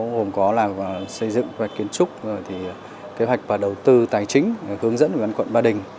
hồn có là xây dựng và kiến trúc kế hoạch và đầu tư tài chính hướng dẫn về văn quận ba đình